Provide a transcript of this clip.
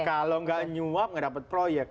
kalau enggak nyuap enggak dapat proyek